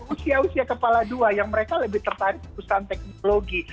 usia usia kepala dua yang mereka lebih tertarik ke perusahaan teknologi